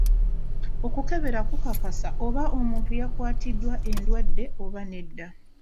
Okukebera kukakasa oba omuntu yakwatiddwa endwadde oba nedda.